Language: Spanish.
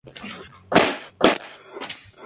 La parte inferior es de color más cremoso.